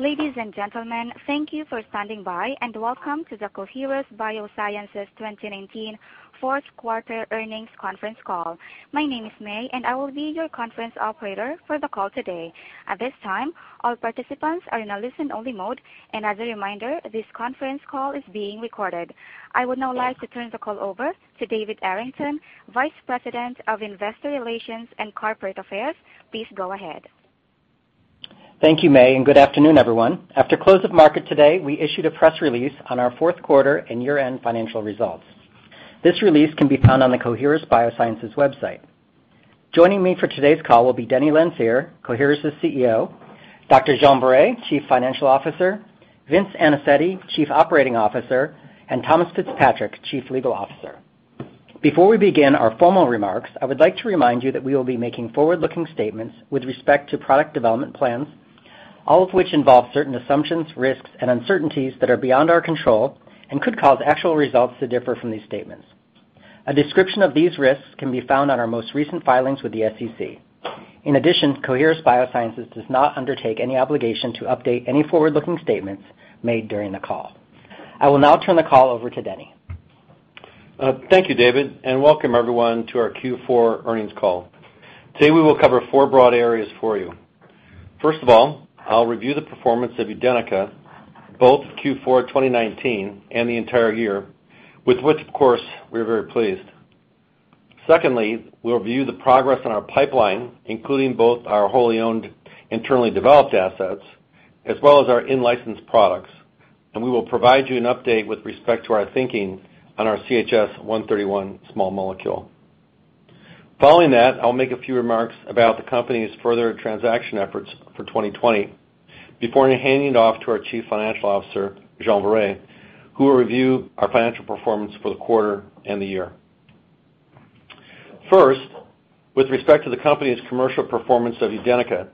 Ladies and gentlemen, thank you for standing by, and welcome to the Coherus BioSciences 2019 fourth quarter earnings conference call. My name is May, and I will be your conference operator for the call today. At this time, all participants are in a listen-only mode. As a reminder, this conference call is being recorded. I would now like to turn the call over to David Arrington, Vice President of Investor Relations and Corporate Affairs. Please go ahead. Thank you, May, and good afternoon, everyone. After close of market today, we issued a press release on our fourth quarter and year-end financial results. This release can be found on the Coherus BioSciences website. Joining me for today's call will be Dennis Lanfear, Coherus' CEO, Dr. Jean Varret, Chief Financial Officer, Vincent Anicetti, Chief Operating Officer, and Thomas Fitzpatrick, Chief Legal Officer. Before we begin our formal remarks, I would like to remind you that we will be making forward-looking statements with respect to product development plans, all of which involve certain assumptions, risks, and uncertainties that are beyond our control and could cause actual results to differ from these statements. A description of these risks can be found on our most recent filings with the SEC. In addition, Coherus BioSciences does not undertake any obligation to update any forward-looking statements made during the call. I will now turn the call over to Dennis. Thank you, David, and welcome everyone to our Q4 earnings call. Today, we will cover four broad areas for you. First of all, I'll review the performance of UDENYCA, both Q4 2019 and the entire year, with which, of course, we're very pleased. Secondly, we'll review the progress on our pipeline, including both our wholly owned internally developed assets, as well as our in-licensed products, and we will provide you an update with respect to our thinking on our CHS-131 small molecule. Following that, I'll make a few remarks about the company's further transaction efforts for 2020 before handing it off to our Chief Financial Officer, Jean Varret, who will review our financial performance for the quarter and the year. First, with respect to the company's commercial performance of UDENYCA,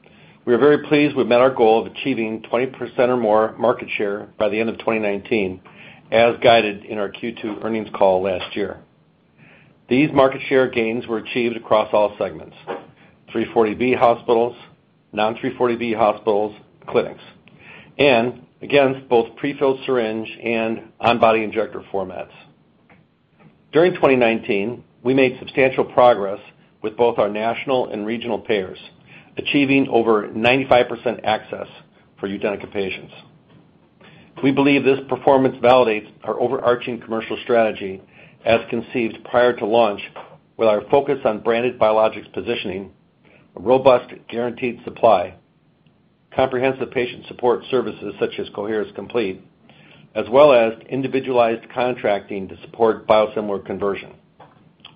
we are very pleased we've met our goal of achieving 20% or more market share by the end of 2019, as guided in our Q2 earnings call last year. These market share gains were achieved across all segments, 340B hospitals, non 340B hospitals, clinics, and against both prefilled syringe and on body injector formats. During 2019, we made substantial progress with both our national and regional payers, achieving over 95% access for UDENYCA patients. We believe this performance validates our overarching commercial strategy as conceived prior to launch with our focus on branded biologics positioning, a robust guaranteed supply, comprehensive patient support services such as Coherus COMPLETE, as well as individualized contracting to support biosimilar conversion,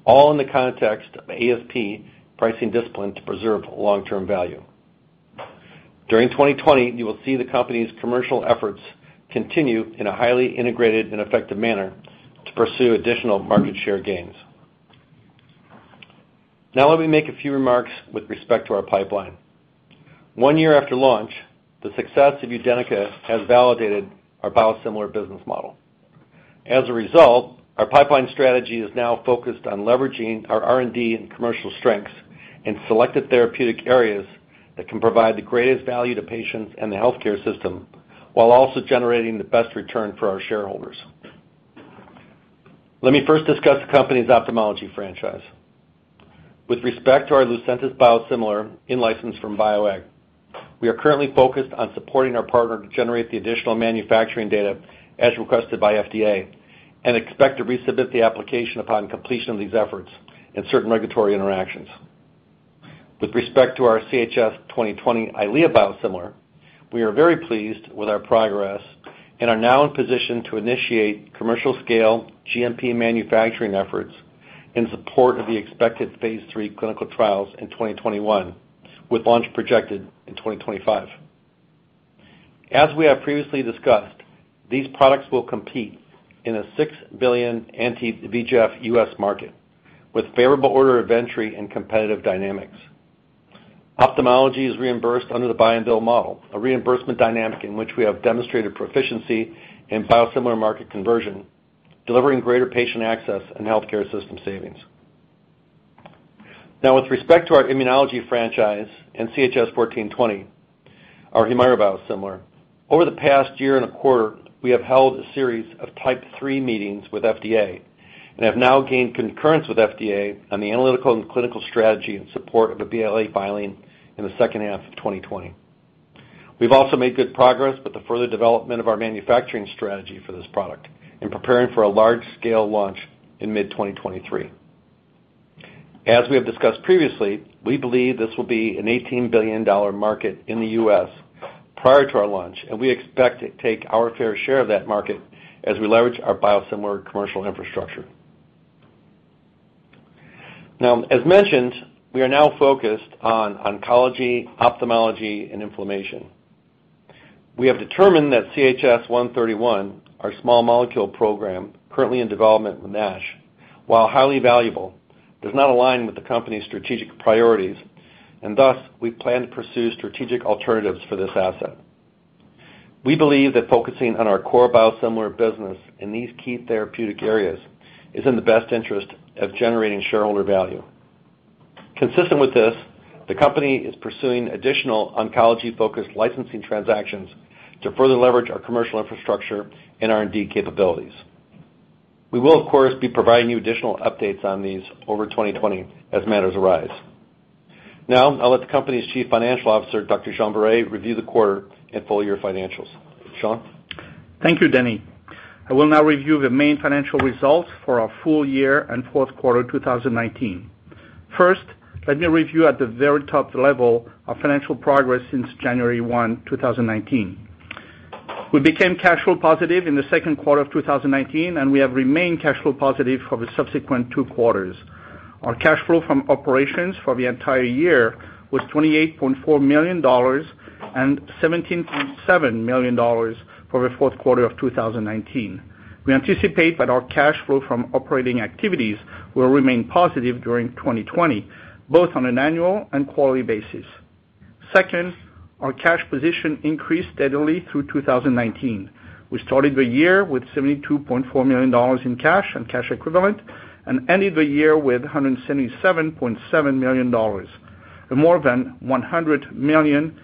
all in the context of ASP pricing discipline to preserve long-term value. During 2020, you will see the company's commercial efforts continue in a highly integrated and effective manner to pursue additional market share gains. Let me make a few remarks with respect to our pipeline. One year after launch, the success of UDENYCA has validated our biosimilar business model. Our pipeline strategy is now focused on leveraging our R&D and commercial strengths in selected therapeutic areas that can provide the greatest value to patients and the healthcare system while also generating the best return for our shareholders. Let me first discuss the company's ophthalmology franchise. With respect to our Lucentis biosimilar in-license from Bioeq AG, we are currently focused on supporting our partner to generate the additional manufacturing data as requested by FDA and expect to resubmit the application upon completion of these efforts and certain regulatory interactions. With respect to our CHS-2020 EYLEA biosimilar, we are very pleased with our progress and are now in position to initiate commercial scale GMP manufacturing efforts in support of the expected phase III clinical trials in 2021, with launch projected in 2025. As we have previously discussed, these products will compete in a $6 billion anti-VEGF U.S. market with favorable order of entry and competitive dynamics. Ophthalmology is reimbursed under the buy and bill model, a reimbursement dynamic in which we have demonstrated proficiency in biosimilar market conversion, delivering greater patient access and healthcare system savings. With respect to our immunology franchise and CHS-1420, our HUMIRA biosimilar, over the past year and a quarter, we have held a series of type 3 meetings with FDA and have now gained concurrence with FDA on the analytical and clinical strategy in support of a BLA filing in the second half of 2020. We've also made good progress with the further development of our manufacturing strategy for this product in preparing for a large-scale launch in mid-2023. We have discussed previously, we believe this will be an $18 billion market in the U.S. prior to our launch, and we expect to take our fair share of that market as we leverage our biosimilar commercial infrastructure. As mentioned, we are now focused on oncology, ophthalmology, and inflammation. We have determined that CHS-131, our small molecule program currently in development with NASH, while highly valuable, does not align with the company's strategic priorities, thus, we plan to pursue strategic alternatives for this asset. We believe that focusing on our core biosimilar business in these key therapeutic areas is in the best interest of generating shareholder value. Consistent with this, the company is pursuing additional oncology-focused licensing transactions to further leverage our commercial infrastructure and R&D capabilities. We will, of course, be providing you additional updates on these over 2020 as matters arise. I'll let the company's Chief Financial Officer, Dr. Jean Viret, review the quarter and full-year financials. Jean? Thank you, Dennis. I will now review the main financial results for our full year and fourth quarter 2019. Let me review at the very top level our financial progress since January 1, 2019. We became cash flow positive in the second quarter of 2019, and we have remained cash flow positive for the subsequent two quarters. Our cash flow from operations for the entire year was $28.4 million and $17.7 million for the fourth quarter of 2019. We anticipate that our cash flow from operating activities will remain positive during 2020, both on an annual and quarterly basis. Our cash position increased steadily through 2019. We started the year with $72.4 million in cash and cash equivalent and ended the year with $177.7 million. The more than $100 million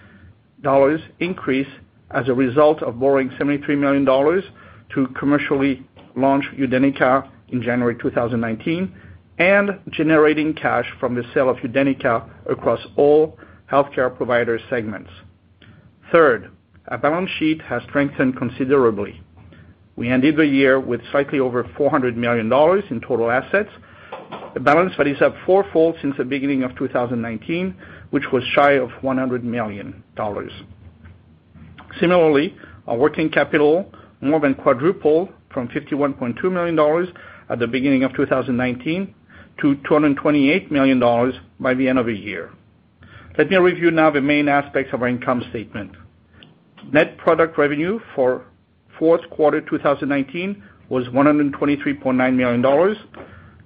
increase as a result of borrowing $73 million to commercially launch UDENYCA in January 2019 and generating cash from the sale of UDENYCA across all healthcare provider segments. Our balance sheet has strengthened considerably. We ended the year with slightly over $400 million in total assets. The balance that is up fourfold since the beginning of 2019, which was shy of $100 million. Similarly, our working capital more than quadrupled from $51.2 million at the beginning of 2019 to $228 million by the end of the year. Let me review now the main aspects of our income statement. Net product revenue for fourth quarter 2019 was $123.9 million.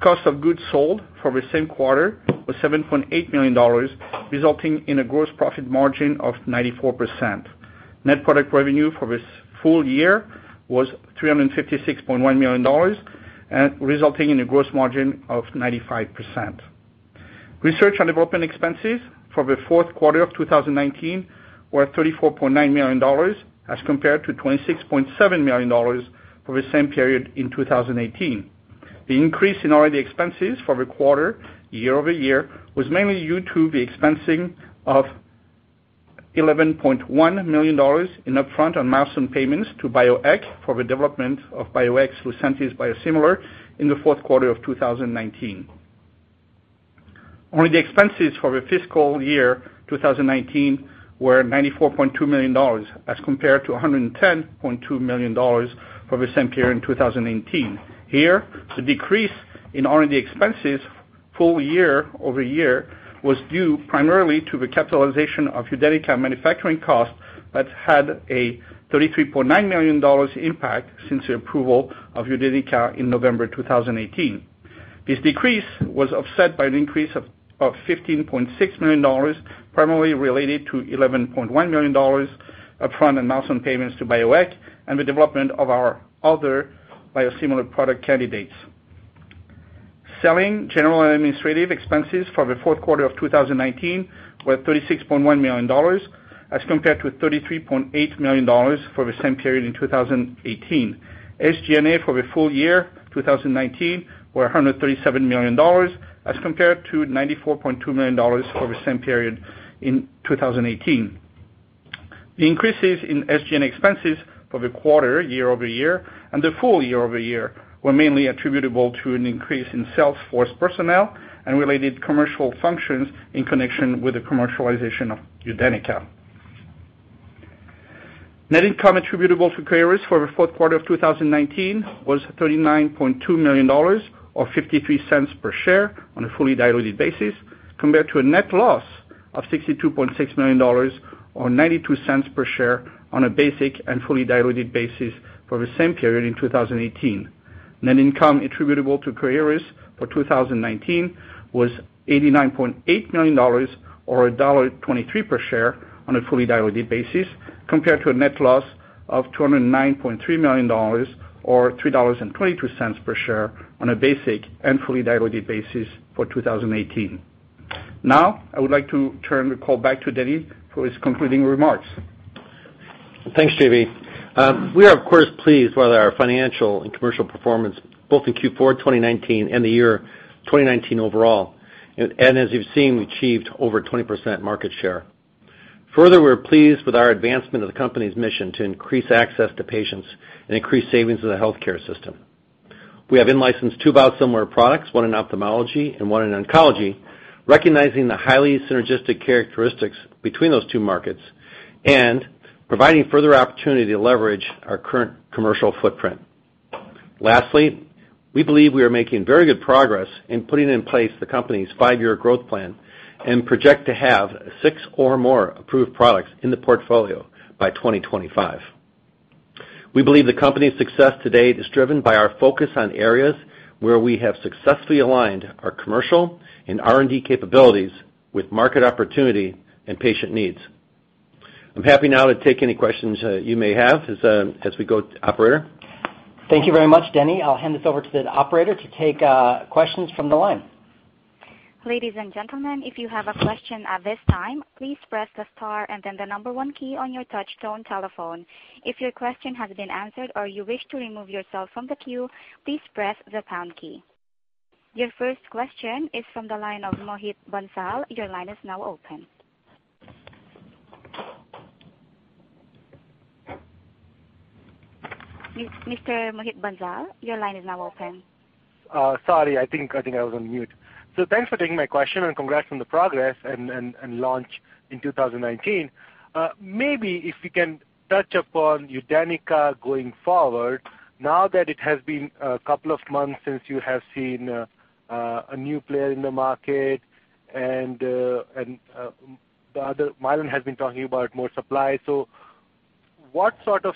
Cost of goods sold for the same quarter was $7.8 million, resulting in a gross profit margin of 94%. Net product revenue for this full year was $356.1 million, resulting in a gross margin of 95%. Research and development expenses for the fourth quarter of 2019 were $34.9 million as compared to $26.7 million for the same period in 2018. The increase in R&D expenses for the quarter year-over-year was mainly due to the expensing of $11.1 million in upfront and milestone payments to Bioeq for the development of Bioeq Lucentis biosimilar in the fourth quarter of 2019. R&D expenses for the fiscal year 2019 were $94.2 million as compared to $110.2 million for the same period in 2018. Here, the decrease in R&D expenses full year-over-year was due primarily to the capitalization of UDENYCA manufacturing costs that had a $33.9 million impact since the approval of UDENYCA in November 2018. This decrease was offset by an increase of $15.6 million, primarily related to $11.1 million upfront and milestone payments to Bioeq and the development of our other biosimilar product candidates. Selling general and administrative expenses for the fourth quarter of 2019 were $36.1 million as compared to $33.8 million for the same period in 2018. SG&A for the full year 2019 were $137 million as compared to $94.2 million for the same period in 2018. The increases in SG&A expenses for the quarter year-over-year and the full year-over-year were mainly attributable to an increase in sales force personnel and related commercial functions in connection with the commercialization of UDENYCA. Net income attributable to Coherus for the fourth quarter of 2019 was $39.2 million or $0.53 per share on a fully diluted basis, compared to a net loss of $62.6 million or $0.92 per share on a basic and fully diluted basis for the same period in 2018. Net income attributable to Coherus for 2019 was $89.8 million or $1.23 per share on a fully diluted basis, compared to a net loss of $209.3 million or $3.22 per share on a basic and fully diluted basis for 2018. I would like to turn the call back to Denny for his concluding remarks. Thanks, J-F. We are, of course, pleased with our financial and commercial performance both in Q4 2019 and the year 2019 overall. As you've seen, we achieved over 20% market share. Further, we are pleased with our advancement of the company's mission to increase access to patients and increase savings to the healthcare system. We have in-licensed two biosimilar products, one in ophthalmology and one in oncology, recognizing the highly synergistic characteristics between those two markets and providing further opportunity to leverage our current commercial footprint. Lastly, we believe we are making very good progress in putting in place the company's five-year growth plan and project to have six or more approved products in the portfolio by 2025. We believe the company's success to date is driven by our focus on areas where we have successfully aligned our commercial and R&D capabilities with market opportunity and patient needs. I'm happy now to take any questions you may have as we go. Operator? Thank you very much, Denny. I'll hand this over to the operator to take questions from the line. Ladies and gentlemen, if you have a question at this time, please press the star and then the number one key on your touch tone telephone. If your question has been answered or you wish to remove yourself from the queue, please press the pound key. Your first question is from the line of Mohit Bansal. Your line is now open. Mr. Mohit Bansal, your line is now open. Sorry, I think I was on mute. Thanks for taking my question, and congrats on the progress and launch in 2019. Maybe if you can touch upon UDENYCA going forward, now that it has been a couple of months since you have seen a new player in the market and Mylan has been talking about more supply. What sort of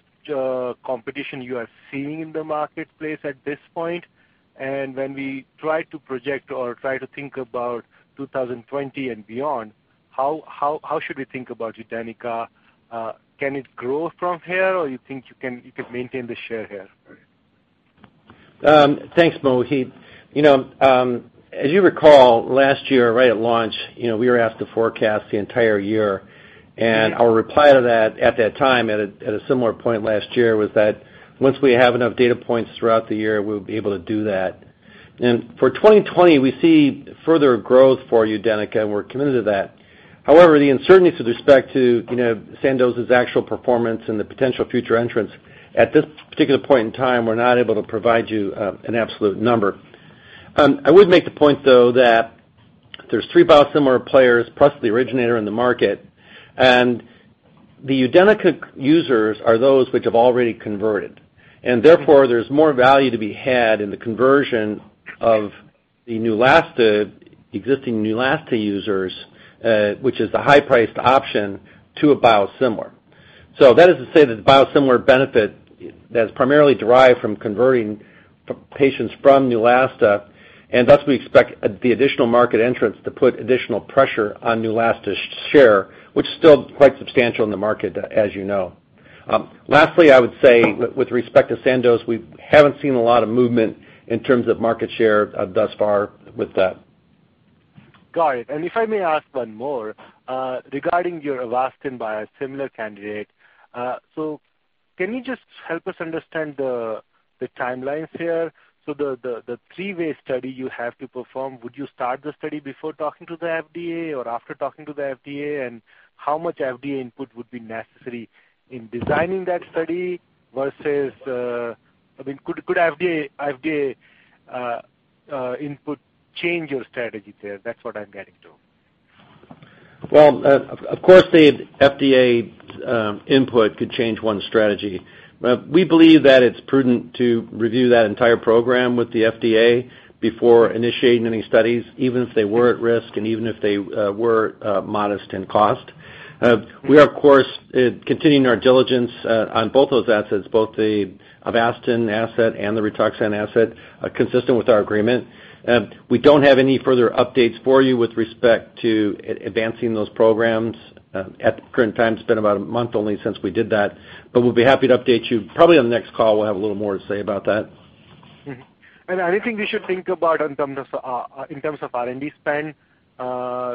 competition you are seeing in the marketplace at this point? When we try to project or try to think about 2020 and beyond, how should we think about UDENYCA? Can it grow from here, or you think you could maintain the share here? Thanks, Mohit. As you recall, last year right at launch, we were asked to forecast the entire year, and our reply to that at that time, at a similar point last year, was that once we have enough data points throughout the year, we'll be able to do that. For 2020, we see further growth for UDENYCA, and we're committed to that. However, the uncertainties with respect to Sandoz's actual performance and the potential future entrants at this particular point in time, we're not able to provide you an absolute number. I would make the point, though, that there's three biosimilar players, plus the originator in the market, and the UDENYCA users are those which have already converted, and therefore there's more value to be had in the conversion of the existing Neulasta users, which is the high priced option to a biosimilar. That is to say that the biosimilar benefit that is primarily derived from converting patients from Neulasta, and thus we expect the additional market entrants to put additional pressure on Neulasta's share, which is still quite substantial in the market, as you know. Lastly, I would say with respect to Sandoz, we haven't seen a lot of movement in terms of market share thus far with that. Got it. If I may ask one more regarding your Avastin biosimilar candidate. Can you just help us understand the timelines here? The three-way study you have to perform, would you start the study before talking to the FDA or after talking to the FDA? How much FDA input would be necessary in designing that study versus, could FDA input change your strategy there? That's what I'm getting to. Well, of course, the FDA's input could change one strategy. We believe that it's prudent to review that entire program with the FDA before initiating any studies, even if they were at risk and even if they were modest in cost. We are, of course, continuing our diligence on both those assets, both the Avastin asset and the Rituxan asset, consistent with our agreement. We don't have any further updates for you with respect to advancing those programs at the current time. It's been about a month only since we did that, but we'll be happy to update you. Probably on the next call, we'll have a little more to say about that. Anything we should think about in terms of R&D spend,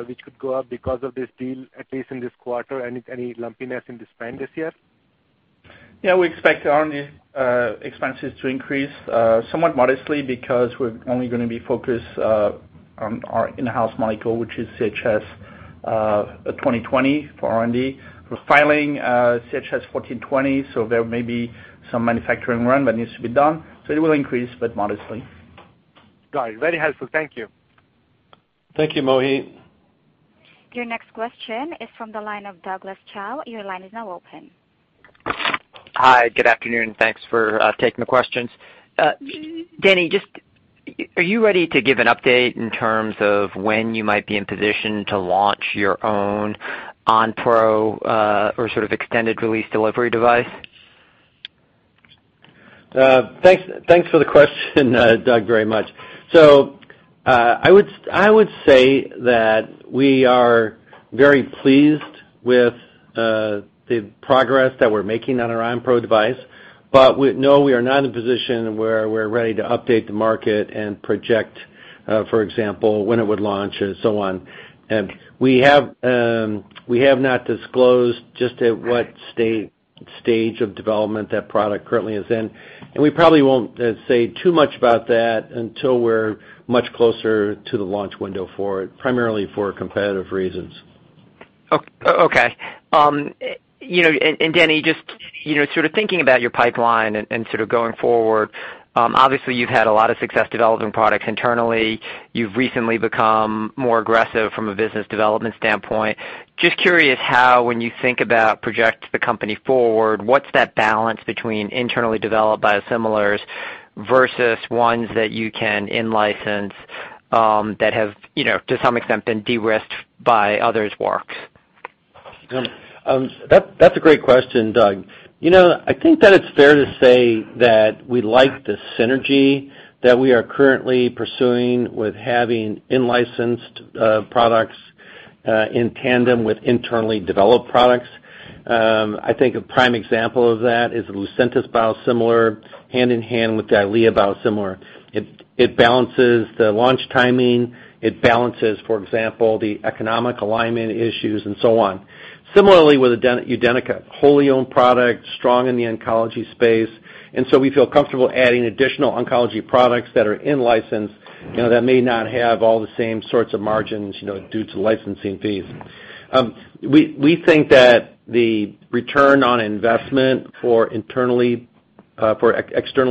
which could go up because of this deal, at least in this quarter? Any lumpiness in the spend this year? We expect R&D expenses to increase somewhat modestly because we're only going to be focused on our in-house molecule, which is CHS-2020 for R&D. We're filing CHS-1420, so there may be some manufacturing run that needs to be done. It will increase, but modestly. Got it. Very helpful. Thank you. Thank you, Mohit. Your next question is from the line of Douglas Tsao. Your line is now open. Hi. Good afternoon. Thanks for taking the questions. Denny, are you ready to give an update in terms of when you might be in position to launch your own Onpro or extended release delivery device? Thanks for the question, Doug, very much. I would say that we are very pleased with the progress that we're making on our Onpro device. No, we are not in a position where we're ready to update the market and project, for example, when it would launch and so on. We have not disclosed just at what stage of development that product currently is in, and we probably won't say too much about that until we're much closer to the launch window for it, primarily for competitive reasons. Okay. Denny, just thinking about your pipeline and going forward, obviously you've had a lot of success developing products internally. You've recently become more aggressive from a business development standpoint. Just curious how, when you think about projects the company forward, what's that balance between internally developed biosimilars versus ones that you can in-license that have, to some extent, been de-risked by others' works? That's a great question, Doug. I think that it's fair to say that we like the synergy that we are currently pursuing with having in-licensed products in tandem with internally developed products. I think a prime example of that is the Lucentis biosimilar hand-in-hand with the EYLEA biosimilar. It balances the launch timing, it balances, for example, the economic alignment issues, and so on. Similarly, with UDENYCA, wholly owned product, strong in the oncology space, and so we feel comfortable adding additional oncology products that are in license, that may not have all the same sorts of margins, due to licensing fees. We think that the return on investment for externally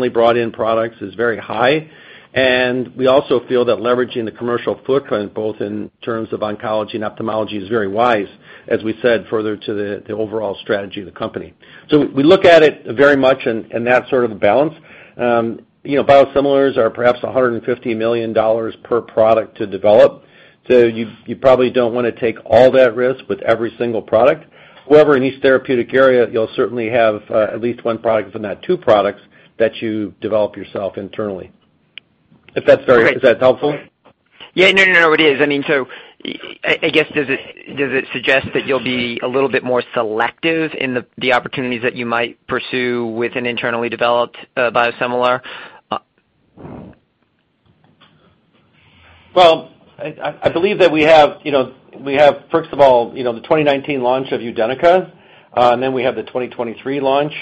brought in products is very high, and we also feel that leveraging the commercial footprint, both in terms of oncology and ophthalmology, is very wise, as we said, further to the overall strategy of the company. We look at it very much in that sort of balance. Biosimilars are perhaps $150 million per product to develop. You probably don't want to take all that risk with every single product. However, in each therapeutic area, you'll certainly have at least one product, if not two products, that you develop yourself internally. Is that helpful? Yeah, no, it is. I guess, does it suggest that you'll be a little bit more selective in the opportunities that you might pursue with an internally developed biosimilar? Well, I believe that we have, first of all, the 2019 launch of UDENYCA, and then we have the 2023 launch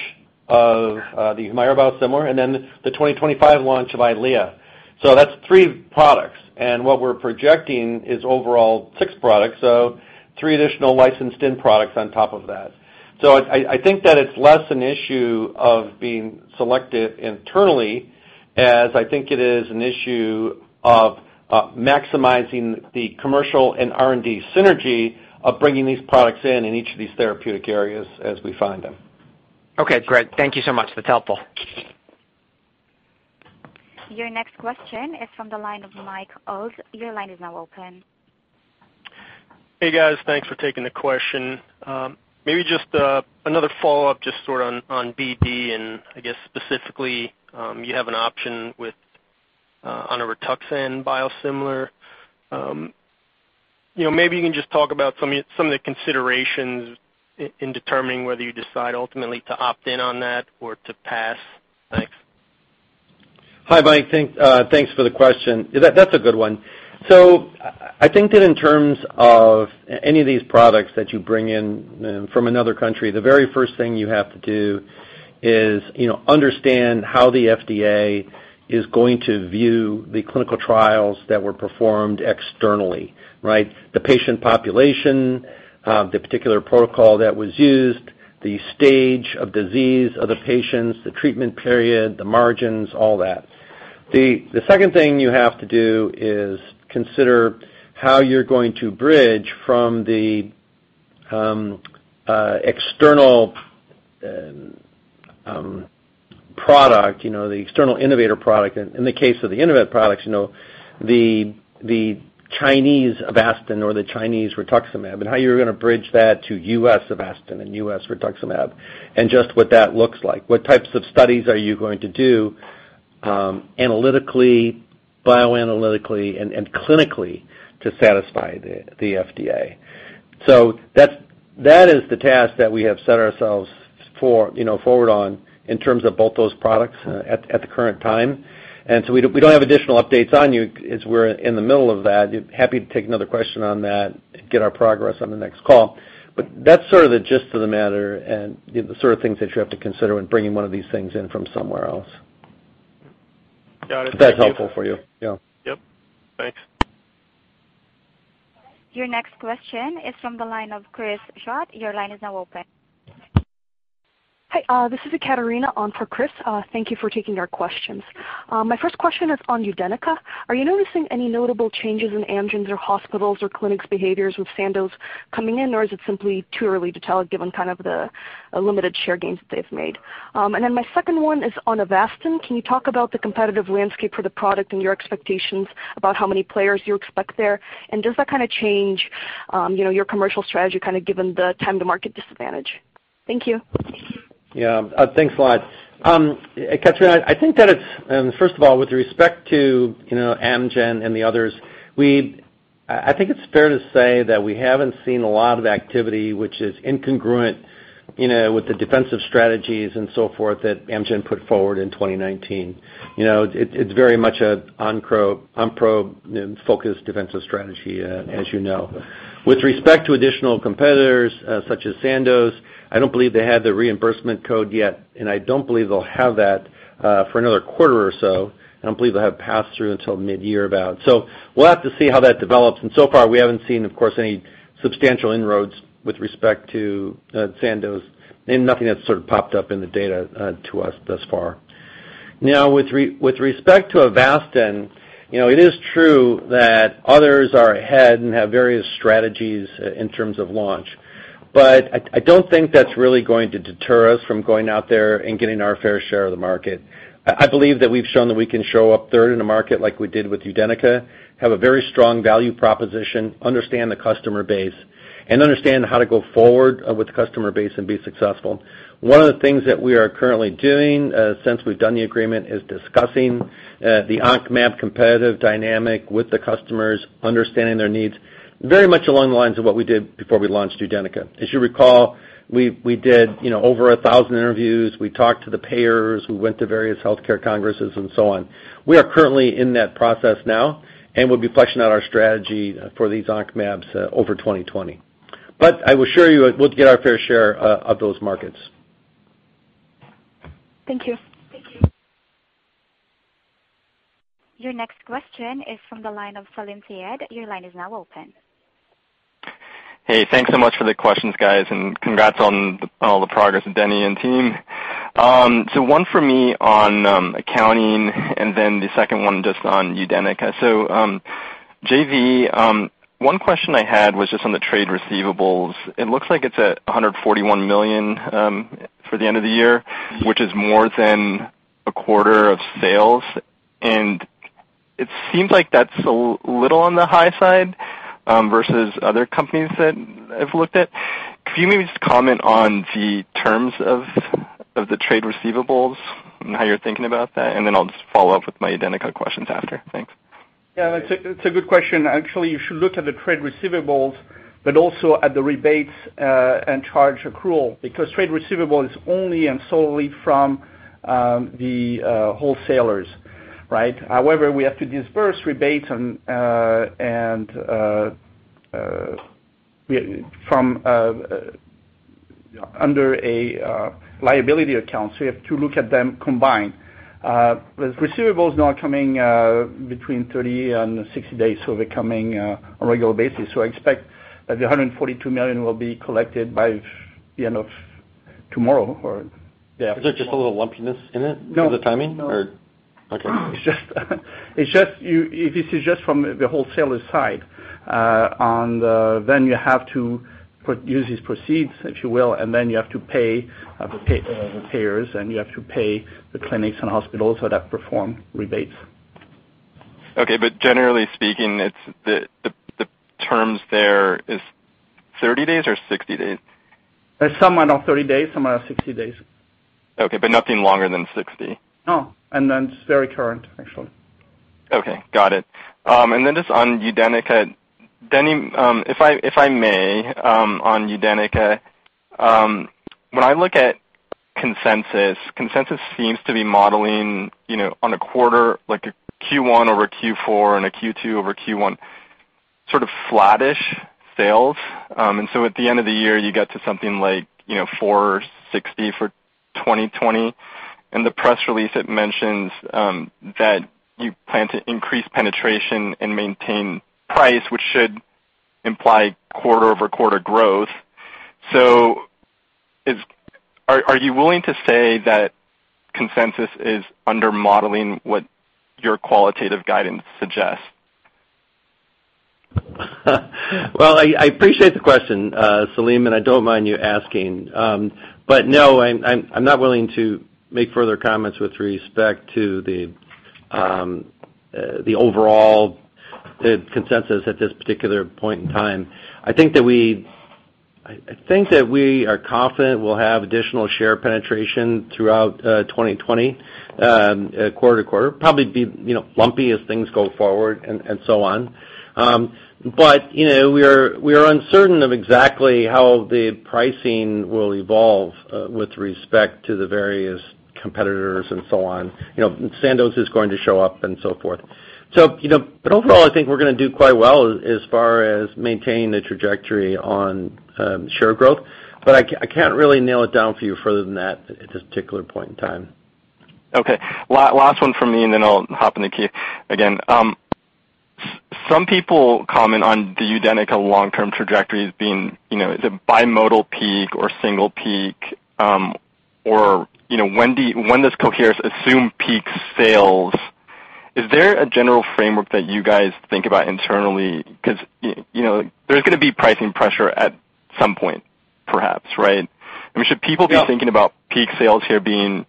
of the HUMIRA biosimilar, and then the 2025 launch of EYLEA. That's three products. What we're projecting is overall six products, so three additional licensed end products on top of that. I think that it's less an issue of being selective internally as I think it is an issue of maximizing the commercial and R&D synergy of bringing these products in in each of these therapeutic areas as we find them. Okay, great. Thank you so much. That's helpful. Your next question is from the line of Mike Ozz. Your line is now open. Hey, guys. Thanks for taking the question. Another follow-up on BD. I guess specifically, you have an option with a Rituxan biosimilar. You can just talk about some of the considerations in determining whether you decide ultimately to opt in on that or to pass. Thanks. Hi, Mike. Thanks for the question. That's a good one. I think that in terms of any of these products that you bring in from another country, the very first thing you have to do is understand how the FDA is going to view the clinical trials that were performed externally, right? The patient population, the particular protocol that was used, the stage of disease of the patients, the treatment period, the margins, all that. The second thing you have to do is consider how you're going to bridge from the external product, the external innovator product. In the case of the innovate products, the Chinese Avastin or the Chinese rituximab, and how you're going to bridge that to U.S. Avastin and U.S. rituximab. Just what that looks like, what types of studies are you going to do analytically, bioanalytically, and clinically to satisfy the FDA? That is the task that we have set ourselves forward on in terms of both those products at the current time. We don't have additional updates on you as we're in the middle of that. Happy to take another question on that, get our progress on the next call. That's sort of the gist of the matter and the sort of things that you have to consider when bringing one of these things in from somewhere else. Got it. Thank you. If that's helpful for you. Yeah. Yep. Thanks. Your next question is from the line of Chris Schott. Your line is now open. Hi. This is Ekaterina on for Chris. Thank you for taking our questions. My first question is on UDENYCA. Are you noticing any notable changes in Amgen's or hospitals' or clinics' behaviors with Sandoz coming in, or is it simply too early to tell, given the limited share gains that they've made? My second one is on Avastin. Can you talk about the competitive landscape for the product and your expectations about how many players you expect there? Does that change your commercial strategy, given the time to market disadvantage? Thank you. Thanks a lot. Ekaterina, I think that it's, first of all, with respect to Amgen and the others, I think it's fair to say that we haven't seen a lot of activity which is incongruent with the defensive strategies and so forth that Amgen put forward in 2019. It's very much an Onpro focused defensive strategy, as you know. With respect to additional competitors such as Sandoz, I don't believe they have the reimbursement code yet, and I don't believe they'll have that for another quarter or so. I don't believe they'll have pass-through until mid-year about. We'll have to see how that develops, and so far, we haven't seen, of course, any substantial inroads with respect to Sandoz, and nothing that's sort of popped up in the data to us thus far. With respect to Avastin, it is true that others are ahead and have various strategies in terms of launch. I don't think that's really going to deter us from going out there and getting our fair share of the market. I believe that we've shown that we can show up third in a market like we did with UDENYCA, have a very strong value proposition, understand the customer base and understand how to go forward with the customer base and be successful. One of the things that we are currently doing since we've done the agreement is discussing the onc mAb competitive dynamic with the customers, understanding their needs, very much along the lines of what we did before we launched UDENYCA. As you recall, we did over 1,000 interviews. We talked to the payers. We went to various healthcare congresses and so on. We are currently in that process now, and we'll be fleshing out our strategy for these onc mAbs over 2020. I will assure you, we'll get our fair share of those markets. Thank you. Your next question is from the line of Salim Syed. Your line is now open. Hey. Thanks so much for the questions, guys, and congrats on all the progress, Denny and team. One for me on accounting, and then the second one just on UDENYCA. JV, one question I had was just on the trade receivables. It looks like it's at $141 million for the end of the year, which is more than a quarter of sales. It seems like that's a little on the high side versus other companies that I've looked at. Could you maybe just comment on the terms of the trade receivables and how you're thinking about that? Then I'll just follow up with my UDENYCA questions after. Thanks. Yeah. It's a good question. Actually, you should look at the trade receivables, but also at the rebates and charge accrual, because trade receivable is only and solely from the wholesalers, right? However, we have to disburse rebates under a liability account. You have to look at them combined. Receivables now are coming between 30 and 60 days, so they're coming on a regular basis. I expect that the $142 million will be collected by the end of tomorrow. Yeah. Is there just a little lumpiness in it? No the timing or? Okay. This is just from the wholesaler side. You have to use these proceeds, if you will, and then you have to pay the payers, and you have to pay the clinics and hospitals that perform rebates. Okay. Generally speaking, the terms there is 30 days or 60 days? Some are now 30 days, some are 60 days. Okay. Nothing longer than 60? No. That's very current, actually. Okay. Got it. Just on UDENYCA. Denny, if I may, on UDENYCA, when I look at consensus seems to be modeling on a quarter, like a Q1 over Q4 and a Q2 over Q1 sort of flattish sales. At the end of the year, you get to something like $460 for 2020. In the press release, it mentions that you plan to increase penetration and maintain price, which should imply quarter-over-quarter growth. Are you willing to say that consensus is under-modeling what your qualitative guidance suggests? I appreciate the question, Salim, and I don't mind you asking. No, I'm not willing to make further comments with respect to the overall consensus at this particular point in time. I think that we are confident we'll have additional share penetration throughout 2020, quarter to quarter. It will probably be lumpy as things go forward and so on. We are uncertain of exactly how the pricing will evolve with respect to the various competitors and so on. Sandoz is going to show up and so forth. Overall, I think we're going to do quite well as far as maintaining the trajectory on share growth. I can't really nail it down for you further than that at this particular point in time. Okay. Last one from me, and then I'll hop in the queue again. Some people comment on the UDENYCA long-term trajectories being, is it bimodal peak or single peak? Or when does Coherus assume peak sales? Is there a general framework that you guys think about internally? There's going to be pricing pressure at some point, perhaps, right? I mean, should people be thinking about peak sales here being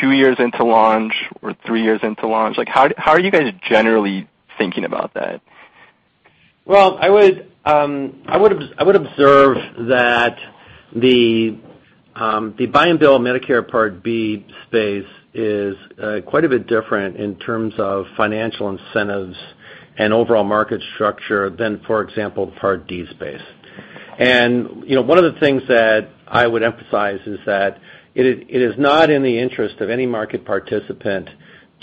two years into launch or three years into launch? How are you guys generally thinking about that? Well, I would observe that the buy and bill Medicare Part B space is quite a bit different in terms of financial incentives and overall market structure than, for example, Part D space. One of the things that I would emphasize is that it is not in the interest of any market participant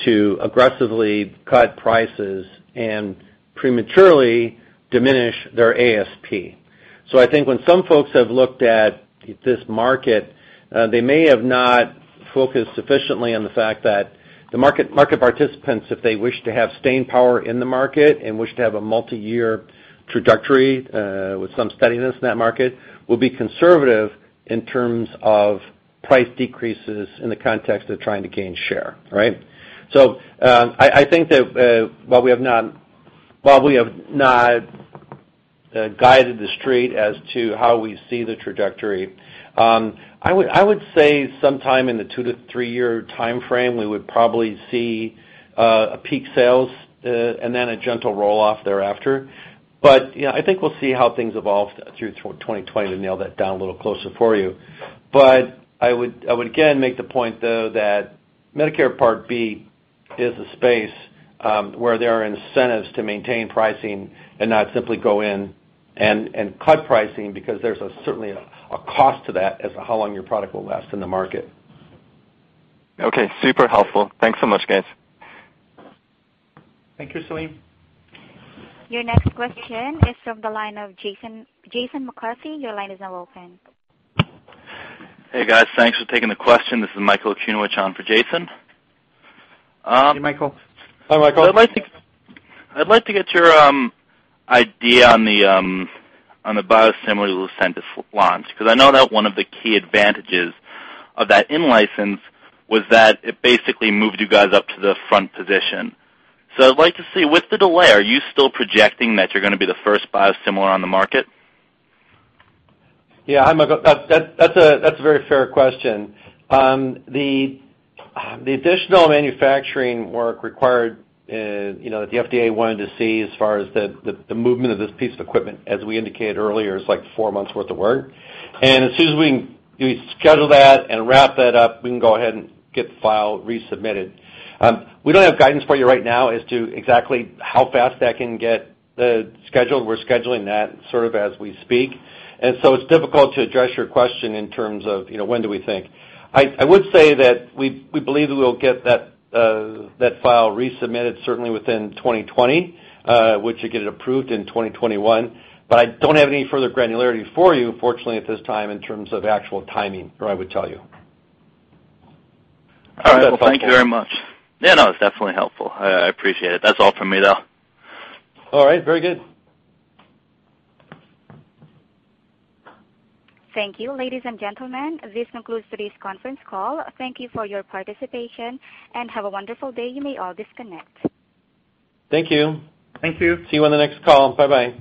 to aggressively cut prices and prematurely diminish their ASP. I think when some folks have looked at this market, they may have not focused sufficiently on the fact that the market participants, if they wish to have staying power in the market and wish to have a multi-year trajectory with some steadiness in that market, will be conservative in terms of price decreases in the context of trying to gain share, right? I think that while we have not guided the street as to how we see the trajectory, I would say sometime in the 2-3 year timeframe, we would probably see a peak sales and then a gentle roll-off thereafter. I think we'll see how things evolve through 2020 to nail that down a little closer for you. I would again make the point, though, that Medicare Part B is a space where there are incentives to maintain pricing and not simply go in and cut pricing because there's certainly a cost to that as to how long your product will last in the market. Okay. Super helpful. Thanks so much, guys. Thank you, Salim. Your next question is from the line of Jason McCarthy. Your line is now open. Hey, guys. Thanks for taking the question. This is Michael Nedelcovych on for Jason. Hey, Michael. Hi, Michael. I'd like to get your idea on the biosimilar Lucentis launch, because I know that one of the key advantages of that in-license was that it basically moved you guys up to the front position. I'd like to see, with the delay, are you still projecting that you're going to be the first biosimilar on the market? Hi, Michael. That's a very fair question. The additional manufacturing work required that the FDA wanted to see as far as the movement of this piece of equipment, as we indicated earlier, is like four months worth of work. As soon as we schedule that and wrap that up, we can go ahead and get the file resubmitted. We don't have guidance for you right now as to exactly how fast that can get scheduled. We're scheduling that sort of as we speak, so it's difficult to address your question in terms of when do we think. I would say that we believe that we'll get that file resubmitted certainly within 2020, which will get it approved in 2021. I don't have any further granularity for you, unfortunately, at this time, in terms of actual timing, or I would tell you. All right. Well, thank you very much. Yeah, no, it's definitely helpful. I appreciate it. That's all from me, though. All right, very good. Thank you. Ladies and gentlemen, this concludes today's conference call. Thank you for your participation, and have a wonderful day. You may all disconnect. Thank you. Thank you. See you on the next call. Bye-bye.